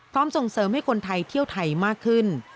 ส่งเสริมให้คนไทยเที่ยวไทยมากขึ้น